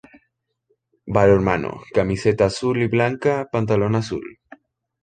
Balonmano: Camiseta Azul y Blanca, Pantalón Azul.